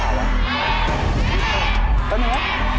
เลข๕ค่ะ